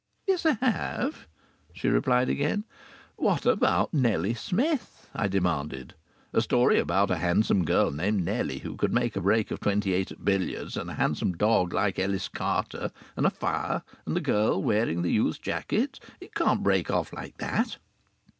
"Yes, I have," she replied again. "What about Nellie Smith?" I demanded. "A story about a handsome girl named Nellie, who could make a break of twenty eight at billiards, and a handsome dog like Ellis Carter, and a fire, and the girl wearing the youth's jacket it can't break off like that."